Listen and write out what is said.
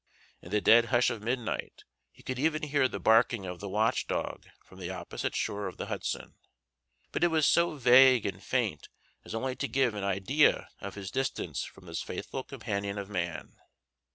In the dead hush of midnight he could even hear the barking of the watch dog from the opposite shore of the Hudson; but it was so vague and faint as only to give an idea of his distance from this faithful companion of man.